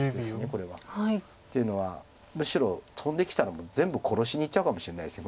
これは。っていうのは白トンできたらもう全部殺しにいっちゃうかもしれないです